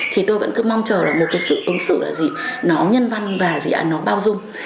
thì tôi vẫn cứ mong chờ là một cái sự ứng xử là gì nó nhân văn và gì ạ nó bao dung